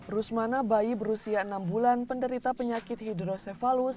rusmana bayi berusia enam bulan penderita penyakit hidrosefalus